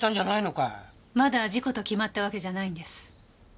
まだ事故と決まったわけじゃないんです。